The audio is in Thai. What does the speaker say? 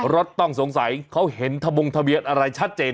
รถต้องสงสัยเขาเห็นทะบงทะเบียนอะไรชัดเจน